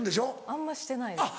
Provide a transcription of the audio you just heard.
あんましてないです。